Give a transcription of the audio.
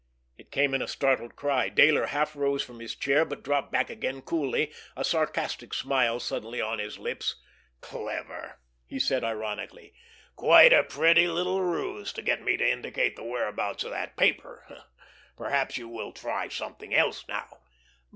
It came in a startled cry. Dayler half rose from his chair, but dropped back again quite coolly, a sarcastic smile suddenly on his lips. "Clever!" he said ironically. "Quite a pretty little ruse to get me to indicate the whereabouts of that paper! Perhaps you will try something else now!"